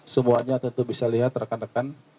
semuanya tentu bisa lihat rekan rekan